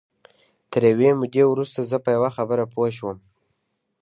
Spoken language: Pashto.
تر یوې مودې وروسته زه په یوه خبره پوه شوم